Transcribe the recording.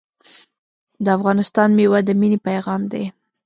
د افغانستان میوه د مینې پیغام دی.